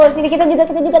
di sini kita juga kita juga